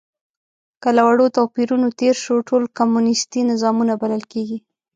که له وړو توپیرونو تېر شو، ټول کمونیستي نظامونه بلل کېږي.